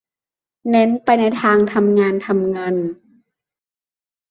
เน้นไปในทางทำงานทำเงิน